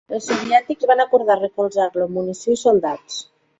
Els soviètics van acordar recolzar-lo amb munició i soldats.